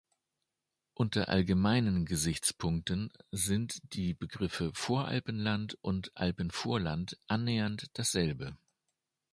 Unter allgemeinen Gesichtspunkten sind die Begriffe "Voralpenland" und Alpenvorland annähernd dasselbe.